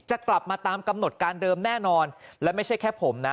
กลับมาตามกำหนดการเดิมแน่นอนและไม่ใช่แค่ผมนะ